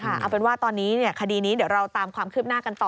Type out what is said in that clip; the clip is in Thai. เอาเป็นว่าตอนนี้คดีนี้เดี๋ยวเราตามความคืบหน้ากันต่อ